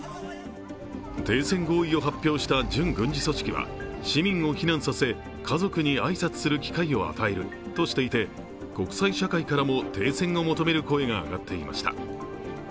停戦合意を発表した準軍事組織は、市民を避難させ、家族に挨拶をする機会を与えるとして、国際社会からも停戦を求める声が上がっていました。